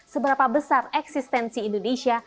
seberapa besar eksistensi dan kekuatan indonesia